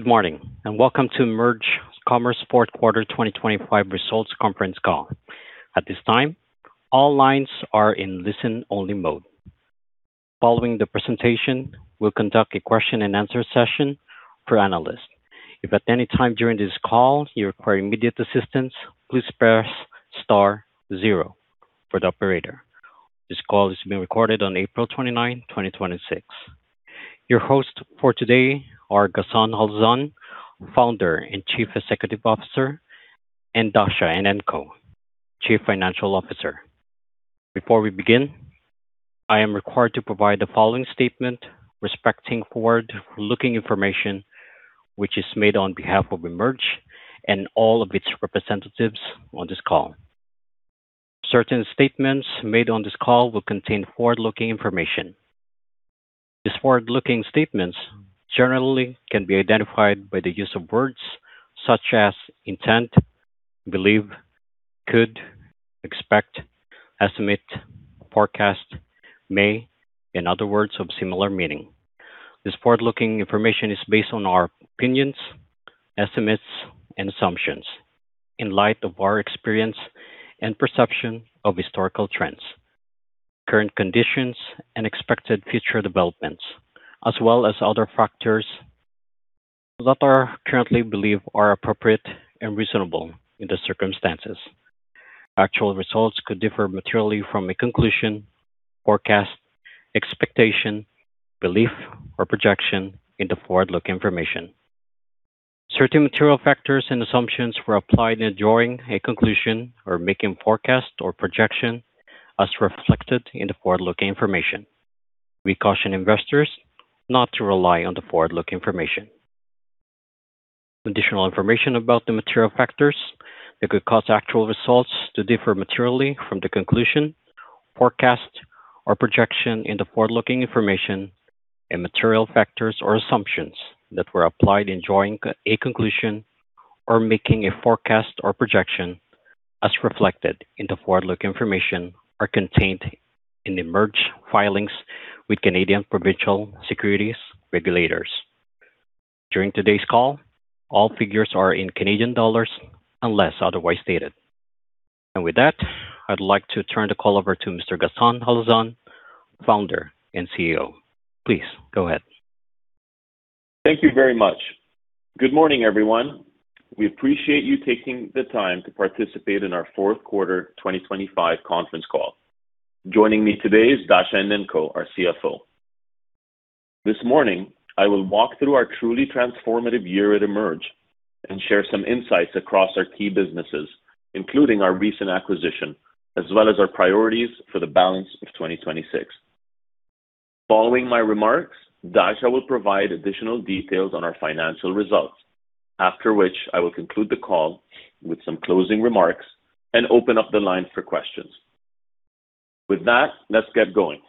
Good morning, and welcome to EMERGE Commerce fourth quarter 2025 results conference call. At this time, all lines are in listen-only mode. Following the presentation, we'll conduct a question-and-answer session for analysts. If at any time during this call you require immediate assistance, please press star zero for the operator. This call is being recorded on April 29, 2026. Your hosts for today are Ghassan Halazon, Founder and Chief Executive Officer, and Dasha Enenko, Chief Financial Officer. Before we begin, I am required to provide the following statement respecting forward-looking information which is made on behalf of EMERGE and all of its representatives on this call. Certain statements made on this call will contain forward-looking information. These forward-looking statements generally can be identified by the use of words such as intent, believe, could, expect, estimate, forecast, may, and other words of similar meaning. This forward-looking information is based on our opinions, estimates, and assumptions in light of our experience and perception of historical trends, current conditions, and expected future developments, as well as other factors that are currently believed are appropriate and reasonable in the circumstances. Actual results could differ materially from a conclusion, forecast, expectation, belief, or projection in the forward-looking information. Certain material factors and assumptions were applied in drawing a conclusion or making forecast or projection as reflected in the forward-looking information. We caution investors not to rely on the forward-looking information. Additional information about the material factors that could cause actual results to differ materially from the conclusion, forecast, or projection in the forward-looking information and material factors or assumptions that were applied in drawing a conclusion or making a forecast or projection as reflected in the forward-looking information are contained in EMERGE filings with Canadian provincial securities regulators. During today's call, all figures are in Canadian dollars unless otherwise stated. With that, I'd like to turn the call over to Mr. Ghassan Halazon, Founder and CEO. Please go ahead. Thank you very much. Good morning, everyone. We appreciate you taking the time to participate in our fourth quarter 2025 conference call. Joining me today is Dasha Enenko, our CFO. This morning, I will walk through our truly transformative year at EMERGE and share some insights across our key businesses, including our recent acquisition, as well as our priorities for the balance of 2026. Following my remarks, Dasha will provide additional details on our financial results. After which, I will conclude the call with some closing remarks and open up the line for questions. With that, let's get going.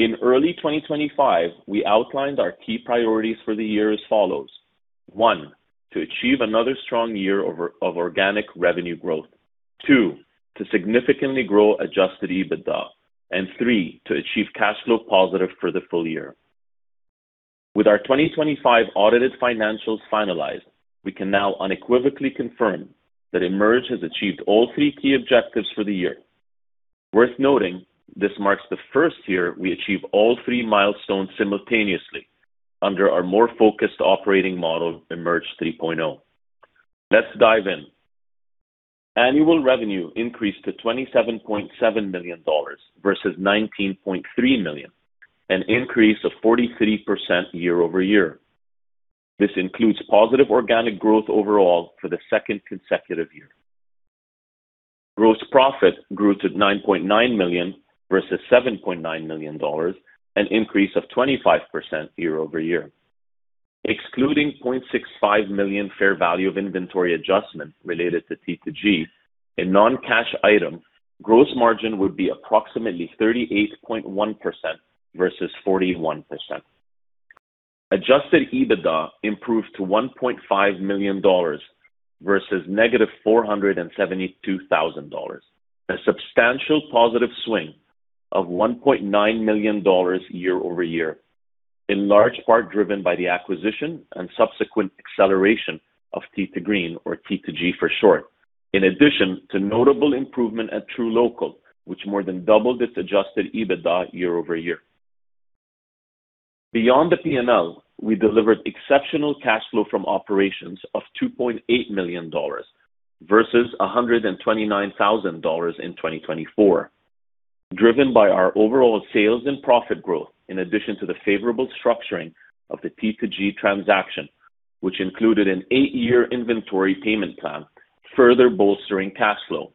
In early 2025, we outlined our key priorities for the year as follows. One, to achieve another strong year of organic revenue growth. Two, to significantly grow Adjusted EBITDA. Three, to achieve cash flow positive for the full year. With our 2025 audited financials finalized, we can now unequivocally confirm that EMERGE has achieved all three key objectives for the year. Worth noting, this marks the first year we achieve all three milestones simultaneously under our more focused operating model, EMERGE 3.0. Let's dive in. Annual revenue increased to 27.7 million dollars versus 19.3 million, an increase of 43% year-over-year. This includes positive organic growth overall for the second consecutive year. Gross profit grew to 9.9 million versus 7.9 million dollars, an increase of 25% year-over-year. Excluding 0.65 million fair value of inventory adjustment related to T2G, a non-cash item, gross margin would be approximately 38.1% versus 41%. Adjusted EBITDA improved to 1.5 million dollars versus -472,000 dollars, a substantial positive swing of 1.9 million dollars year-over-year, in large part driven by the acquisition and subsequent acceleration of Tee 2 Green or T2G for short. In addition to notable improvement at truLOCAL, which more than doubled its Adjusted EBITDA year-over-year. Beyond the P&L, we delivered exceptional cash flow from operations of 2.8 million dollars versus 129,000 dollars in 2024, driven by our overall sales and profit growth in addition to the favorable structuring of the T2G transaction, which included an eight-year inventory payment plan, further bolstering cash flow.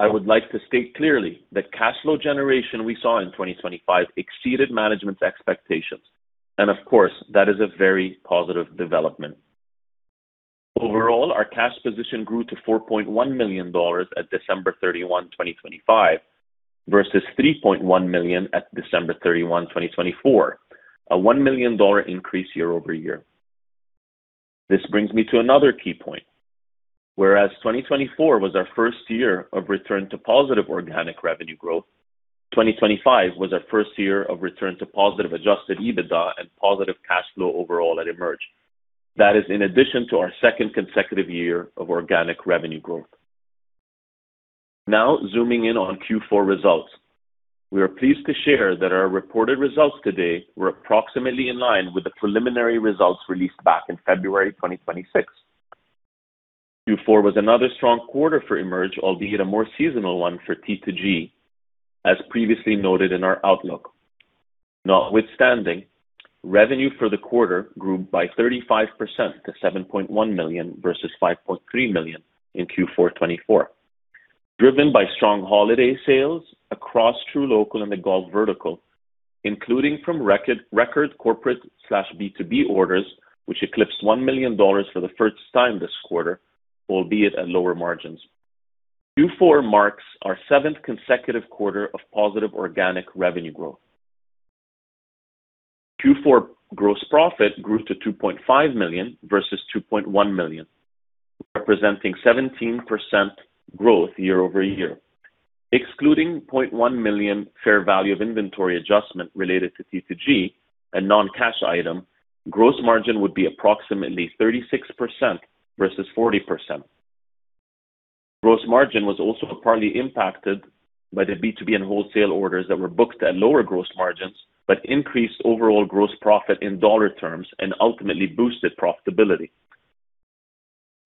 I would like to state clearly that cash flow generation we saw in 2025 exceeded management's expectations, and of course, that is a very positive development. Overall, our cash position grew to 4.1 million dollars at December 31, 2025 versus 3.1 million at December 31, 2024, a 1 million dollar increase year-over-year. This brings me to another key point. Whereas 2024 was our first year of return to positive organic revenue growth, 2025 was our first year of return to positive Adjusted EBITDA and positive cash flow overall at EMERGE. That is in addition to our second consecutive year of organic revenue growth. Now zooming in on Q4 results. We are pleased to share that our reported results today were approximately in line with the preliminary results released back in February 2026. Q4 was another strong quarter for EMERGE, albeit a more seasonal one for T2G, as previously noted in our outlook. Notwithstanding, revenue for the quarter grew by 35% to 7.1 million versus 5.3 million in Q4 2024, driven by strong holiday sales across truLOCAL and the golf vertical, including from record corporate slash B2B orders, which eclipsed 1 million dollars for the first time this quarter, albeit at lower margins. Q4 marks our seventh consecutive quarter of positive organic revenue growth. Q4 gross profit grew to 2.5 million versus 2.1 million, representing 17% growth year-over-year. Excluding 0.1 million fair value of inventory adjustment related to T2G, a non-cash item, gross margin would be approximately 36% versus 40%. Gross margin was also partly impacted by the B2B and wholesale orders that were booked at lower gross margins, but increased overall gross profit in CAD terms and ultimately boosted profitability.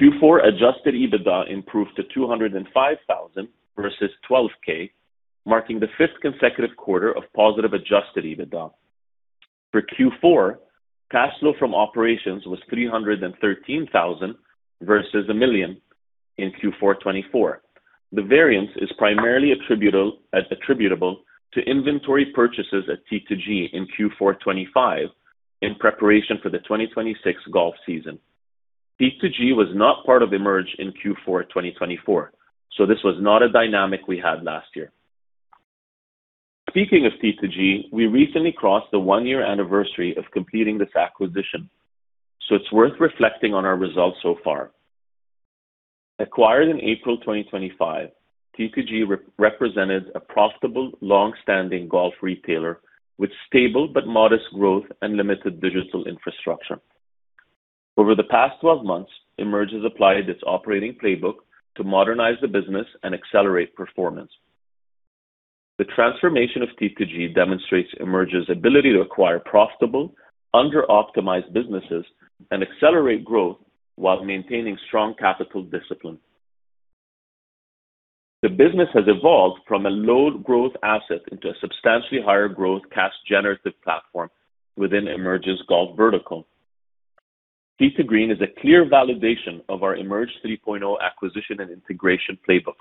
Q4 Adjusted EBITDA improved to 205,000 versus 12,000, marking the fifth consecutive quarter of positive Adjusted EBITDA. For Q4, cash flow from operations was 313,000 versus 1 million in Q4 2024. The variance is primarily attributable to inventory purchases at T2G in Q4 2025 in preparation for the 2026 golf season. T2G was not part of EMERGE in Q4 2024, this was not a dynamic we had last year. Speaking of T2G, we recently crossed the one-year anniversary of completing this acquisition, it is worth reflecting on our results so far. Acquired in April 2025, T2G represented a profitable, long-standing golf retailer with stable but modest growth and limited digital infrastructure. Over the past 12 months, EMERGE has applied its operating playbook to modernize the business and accelerate performance. The transformation of T2G demonstrates EMERGE's ability to acquire profitable, under-optimized businesses and accelerate growth while maintaining strong capital discipline. The business has evolved from a low-growth asset into a substantially higher growth, cash-generative platform within EMERGE's golf vertical. Tee 2 Green is a clear validation of our EMERGE 3.0 acquisition and integration playbook.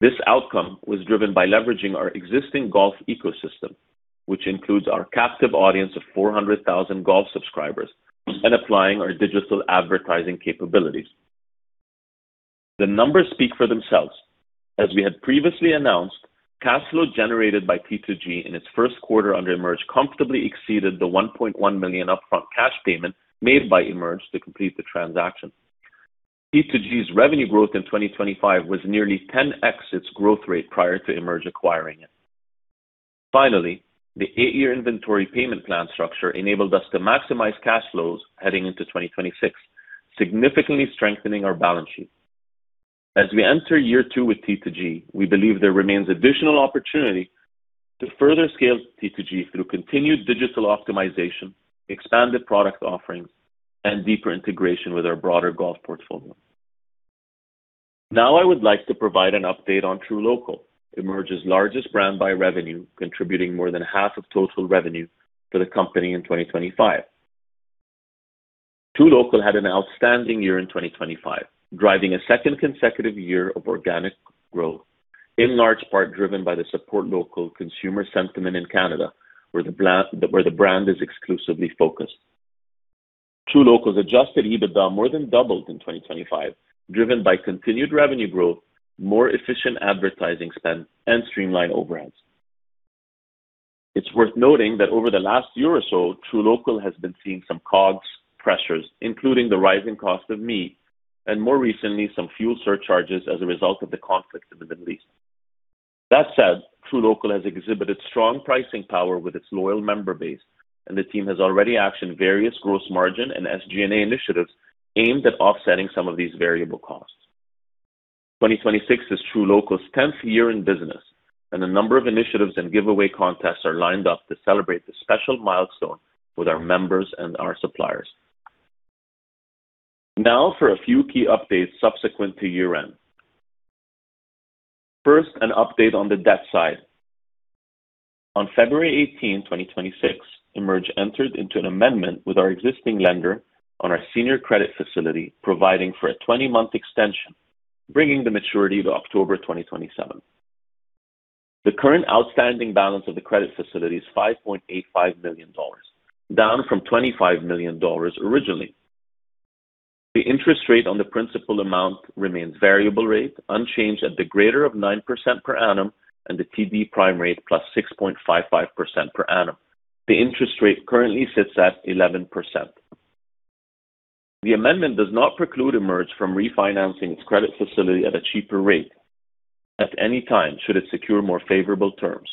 This outcome was driven by leveraging our existing golf ecosystem, which includes our captive audience of 400,000 golf subscribers and applying our digital advertising capabilities. The numbers speak for themselves. As we had previously announced, cash flow generated by T2G in its first quarter under EMERGE comfortably exceeded the 1.1 million upfront cash payment made by EMERGE to complete the transaction. T2G's revenue growth in 2025 was nearly 10x its growth rate prior to EMERGE acquiring it. Finally, the eight-year inventory payment plan structure enabled us to maximize cash flows heading into 2026, significantly strengthening our balance sheet. As we enter year two with T2G, we believe there remains additional opportunity to further scale T2G through continued digital optimization, expanded product offerings, and deeper integration with our broader golf portfolio. Now I would like to provide an update on truLOCAL, EMERGE's largest brand by revenue, contributing more than half of total revenue to the company in 2025. truLOCAL had an outstanding year in 2025, driving a second consecutive year of organic growth, in large part driven by the support local consumer sentiment in Canada, where the brand is exclusively focused. truLOCAL's Adjusted EBITDA more than doubled in 2025, driven by continued revenue growth, more efficient advertising spend, and streamlined overheads. It's worth noting that over the last year or so, truLOCAL has been seeing some COGS pressures, including the rising cost of meat, and more recently, some fuel surcharges as a result of the conflict in the Middle East. That said, truLOCAL has exhibited strong pricing power with its loyal member base, and the team has already actioned various gross margin and SG&A initiatives aimed at offsetting some of these variable costs. 2026 is truLOCAL's 10th year in business, and a number of initiatives and giveaway contests are lined up to celebrate this special milestone with our members and our suppliers. Now for a few key updates subsequent to year-end. First, an update on the debt side. On February 18th, 2026, EMERGE entered into an amendment with our existing lender on our senior credit facility, providing for a 20-month extension, bringing the maturity to October 2027. The current outstanding balance of the credit facility is 5.85 million dollars, down from 25 million dollars originally. The interest rate on the principal amount remains variable rate, unchanged at the greater of 9% per annum and the TD prime rate +6.55% per annum. The interest rate currently sits at 11%. The amendment does not preclude EMERGE from refinancing its credit facility at a cheaper rate at any time should it secure more favorable terms.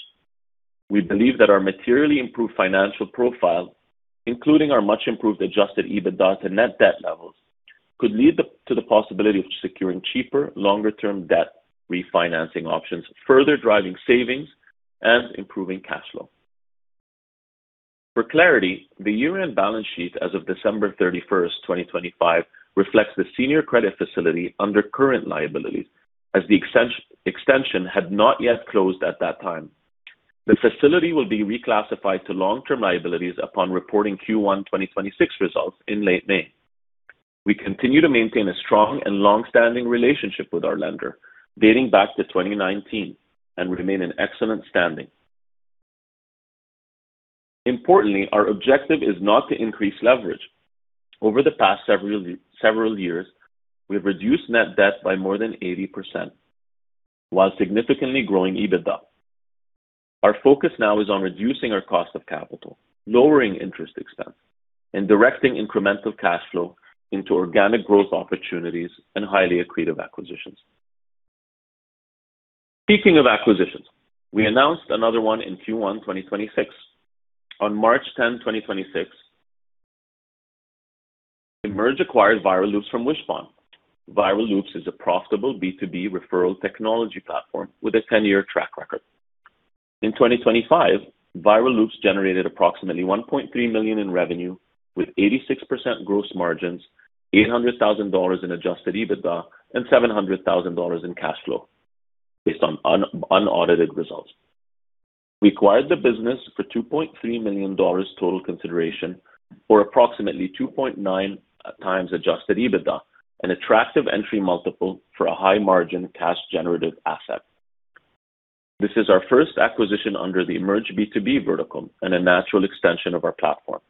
We believe that our materially improved financial profile, including our much improved Adjusted EBITDA to net debt levels, could lead to the possibility of securing cheaper, longer-term debt refinancing options, further driving savings and improving cash flow. For clarity, the year-end balance sheet as of December 31st, 2025 reflects the senior credit facility under current liabilities as the extension had not yet closed at that time. The facility will be reclassified to long-term liabilities upon reporting Q1 2026 results in late May. We continue to maintain a strong and long-standing relationship with our lender dating back to 2019 and remain in excellent standing. Importantly, our objective is not to increase leverage. Over the past several years, we've reduced net debt by more than 80% while significantly growing EBITDA. Our focus now is on reducing our cost of capital, lowering interest expense, and directing incremental cash flow into organic growth opportunities and highly accretive acquisitions. Speaking of acquisitions, we announced another one in Q1 2026. On March 10, 2026, EMERGE acquired Viral Loops from Wishpond. Viral Loops is a profitable B2B referral technology platform with a 10-year track record. In 2025, Viral Loops generated approximately 1.3 million in revenue with 86% gross margins, 800,000 dollars in Adjusted EBITDA, and 700,000 dollars in cash flow based on unaudited results. We acquired the business for 2.3 million dollars total consideration for approximately 2.9x Adjusted EBITDA, an attractive entry multiple for a high-margin cash generative asset. This is our first acquisition under the EMERGE B2B vertical and a natural extension of our platform.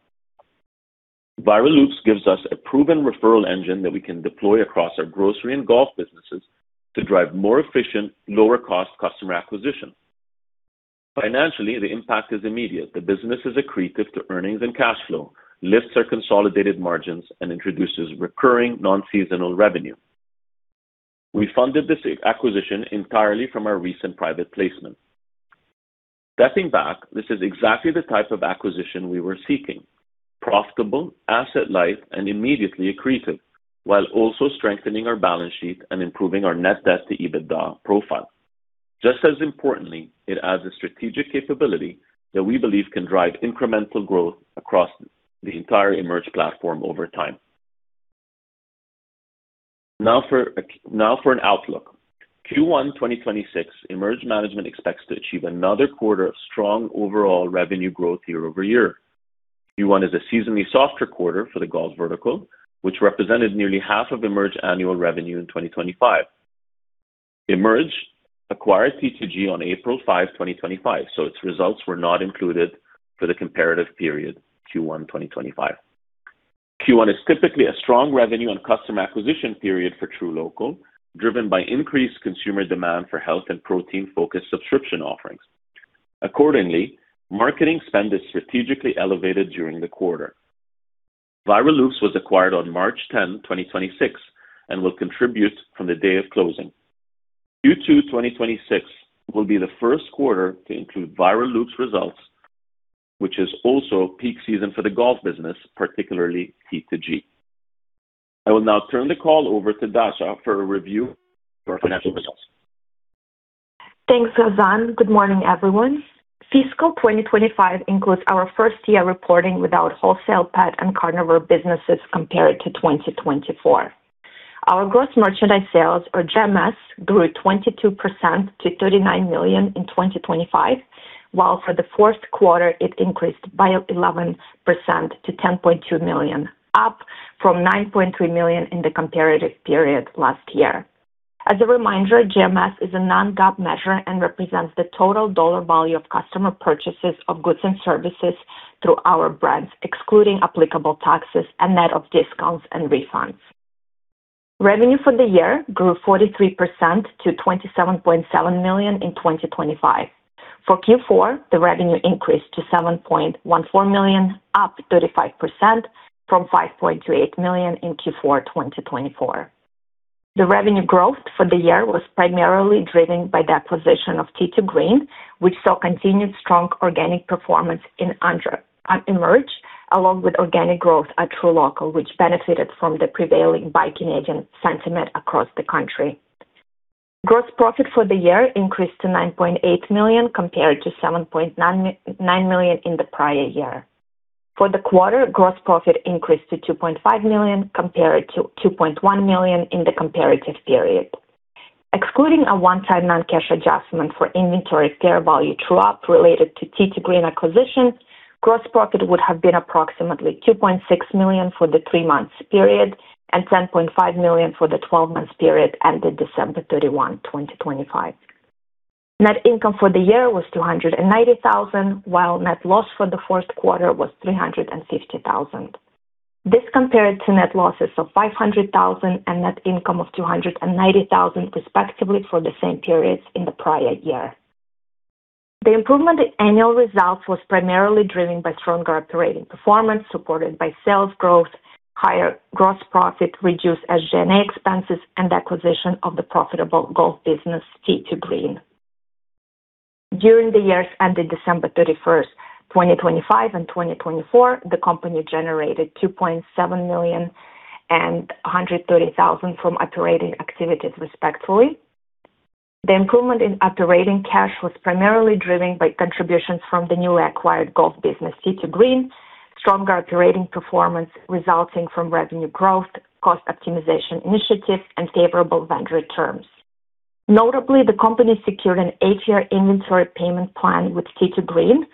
Viral Loops gives us a proven referral engine that we can deploy across our grocery and golf businesses to drive more efficient, lower-cost customer acquisition. Financially, the impact is immediate. The business is accretive to earnings and cash flow, lifts our consolidated margins, and introduces recurring non-seasonal revenue. We funded this acquisition entirely from our recent private placement. Stepping back, this is exactly the type of acquisition we were seeking. Profitable, asset-light, and immediately accretive, while also strengthening our balance sheet and improving our net debt to EBITDA profile. Just as importantly, it adds a strategic capability that we believe can drive incremental growth across the entire EMERGE platform over time. Now for an outlook. Q1 2026, EMERGE Management expects to achieve another quarter of strong overall revenue growth year-over-year. Q1 is a seasonally softer quarter for the golf vertical, which represented nearly half of EMERGE annual revenue in 2025. EMERGE acquired Tee 2 Green on April 5, 2025, so its results were not included for the comparative period, Q1 2025. Q1 is typically a strong revenue and customer acquisition period for truLOCAL, driven by increased consumer demand for health and protein-focused subscription offerings. Marketing spend is strategically elevated during the quarter. Viral Loops was acquired on March 10, 2026 and will contribute from the day of closing. Q2 2026 will be the first quarter to include Viral Loops results, which is also peak season for the golf business, particularly Tee 2 Green. I will now turn the call over to Dasha for a review of our financial results. Thanks, Ghassan. Good morning, everyone. Fiscal 2025 includes our first year reporting without wholesale pet and carnivore businesses compared to 2024. Our gross merchandise sales, or GMS, grew 22% to 39 million in 2025, while for the fourth quarter, it increased by 11% to 10.2 million, up from 9.3 million in the comparative period last year. As a reminder, GMS is a non-GAAP measure and represents the total dollar value of customer purchases of goods and services through our brands, excluding applicable taxes and net of discounts and refunds. Revenue for the year grew 43% to 27.7 million in 2025. For Q4, the revenue increased to 7.14 million, up 35% from 5.38 million in Q4 2024. The revenue growth for the year was primarily driven by the acquisition of Tee 2 Green, which saw continued strong organic performance under EMERGE, along with organic growth at truLOCAL, which benefited from the prevailing buy Canadian sentiment across the country. Gross profit for the year increased to 9.8 million compared to 7.9 million in the prior year. For the quarter, gross profit increased to 2.5 million compared to 2.1 million in the comparative period. Excluding a one-time non-cash adjustment for inventory fair value true up related to Tee 2 Green acquisition, gross profit would have been approximately 2.6 million for the three-months period and 10.5 million for the 12-months period ended December 31, 2025. Net income for the year was 290,000, while net loss for the fourth quarter was 350,000. This compared to net losses of 500,000 and net income of 290,000 respectively for the same periods in the prior year. The improvement in annual results was primarily driven by stronger operating performance supported by sales growth, higher gross profit, reduced SG&A expenses, and acquisition of the profitable golf business, Tee 2 Green. During the years ended December 31st, 2025 and 2024, the company generated 2.7 million and 130,000 from operating activities respectively. The improvement in operating cash was primarily driven by contributions from the newly acquired golf business, Tee 2 Green, stronger operating performance resulting from revenue growth, cost optimization initiatives, and favorable vendor terms. Notably, the company secured an eight-year inventory payment plan with Tee 2 Green,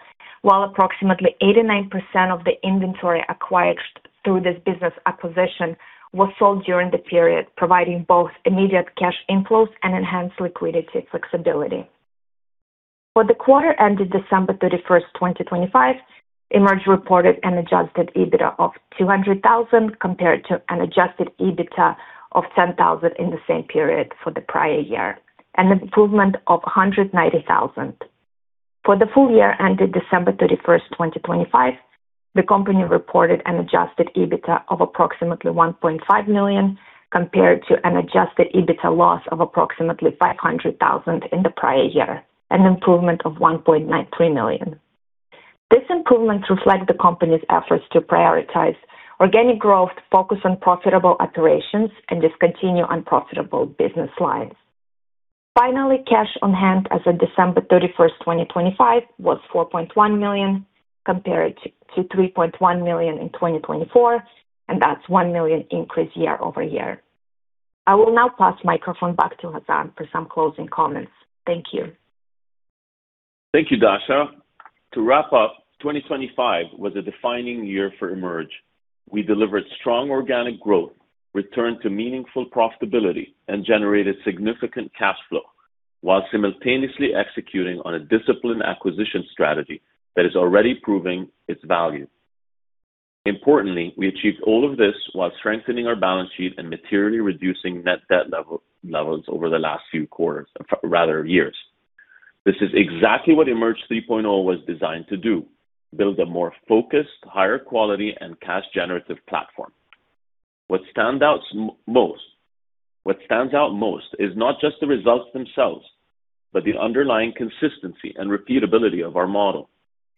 while approximately 89% of the inventory acquired through this business acquisition was sold during the period, providing both immediate cash inflows and enhanced liquidity flexibility. For the quarter ended December 31st, 2025, EMERGE reported an Adjusted EBITDA of 200,000 compared to an Adjusted EBITDA of 10,000 in the same period for the prior year, an improvement of 190,000. For the full year ended December 31st, 2025, the company reported an Adjusted EBITDA of approximately 1.5 million compared to an Adjusted EBITDA loss of approximately 500,000 in the prior year, an improvement of 1.93 million. This improvement reflects the company's efforts to prioritize organic growth, focus on profitable operations, and discontinue unprofitable business lines. Finally, cash on hand as of December 31st, 2025 was 4.1 million compared to 3.1 million in 2024. That's 1 million increase year-over-year. I will now pass microphone back to Ghassan Halazon for some closing comments. Thank you. Thank you, Dasha. To wrap up, 2025 was a defining year for EMERGE. We delivered strong organic growth, returned to meaningful profitability, and generated significant cash flow while simultaneously executing on a disciplined acquisition strategy that is already proving its value. Importantly, we achieved all of this while strengthening our balance sheet and materially reducing net debt levels over the last few quarters, rather years. This is exactly what EMERGE 3.0 was designed to do, build a more focused, higher quality, and cash generative platform. What stands out most is not just the results themselves, but the underlying consistency and repeatability of our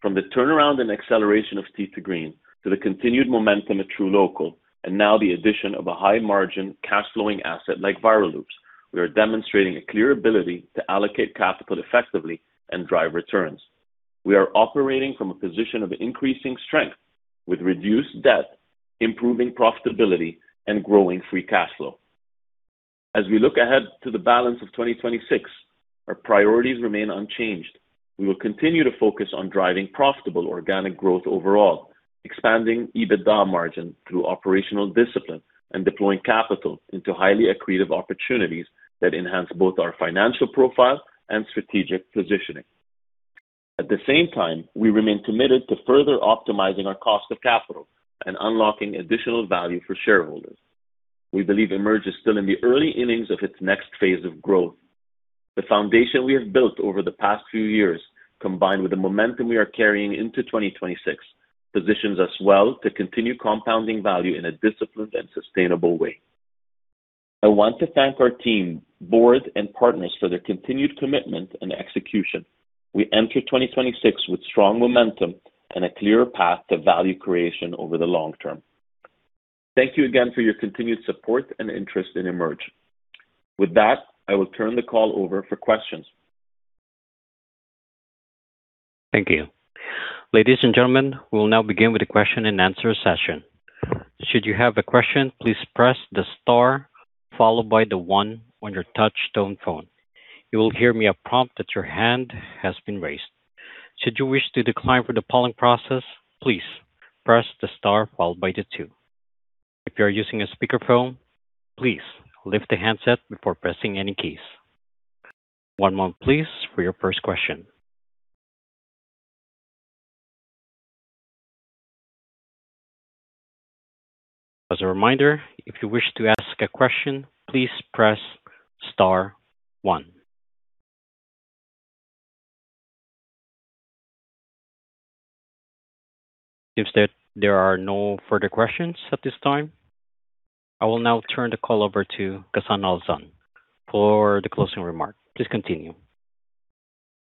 model. From the turnaround and acceleration of Tee 2 Green to the continued momentum at truLOCAL, now the addition of a high margin cash flowing asset like Viral Loops, we are demonstrating a clear ability to allocate capital effectively and drive returns. We are operating from a position of increasing strength with reduced debt, improving profitability, and growing free cash flow. As we look ahead to the balance of 2026, our priorities remain unchanged. We will continue to focus on driving profitable organic growth overall, expanding EBITDA margin through operational discipline, and deploying capital into highly accretive opportunities that enhance both our financial profile and strategic positioning. At the same time, we remain committed to further optimizing our cost of capital and unlocking additional value for shareholders. We believe EMERGE is still in the early innings of its next phase of growth. The foundation we have built over the past few years, combined with the momentum we are carrying into 2026, positions us well to continue compounding value in a disciplined and sustainable way. I want to thank our team, board, and partners for their continued commitment and execution. We enter 2026 with strong momentum and a clear path to value creation over the long term. Thank you again for your continued support and interest in EMERGE. With that, I will turn the call over for questions. Thank you. Ladies and gentlemen, we will now begin with a question and answer session. Should you have a question, please press the star followed by the one on your touch tone phone. You will hear me a prompt that your hand has been raised. Should you wish to decline for the polling process, please press the star followed by the two. If you are using a speakerphone, please lift the handset before pressing any keys. One moment please for your first question. As a reminder, if you wish to ask a question, please press star one. It seems that there are no further questions at this time. I will now turn the call over to Ghassan Halazon for the closing remark. Please continue.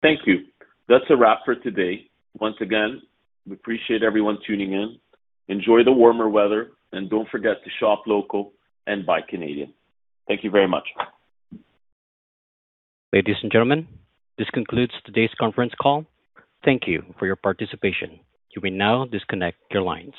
Thank you. That's a wrap for today. Once again, we appreciate everyone tuning in. Enjoy the warmer weather and don't forget to shop local and buy Canadian. Thank you very much. Ladies and gentlemen, this concludes today's conference call. Thank you for your participation. You may now disconnect your lines.